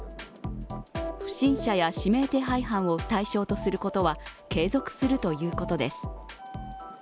不審者や指名手配犯を対象とすることは継続するということです。